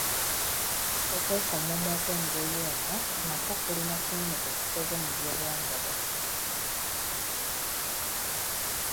Okwekomomma okw’engeri eno nakwo kulina kinene kye kukoze mu Byobuwangwa bwaffe.